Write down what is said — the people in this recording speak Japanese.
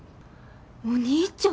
お兄ちゃん？